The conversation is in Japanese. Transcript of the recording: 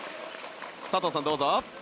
佐藤さん、どうぞ。